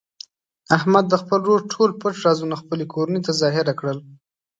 احمد د خپل ورور ټول پټ رازونه خپلې کورنۍ ته ظاهره کړل.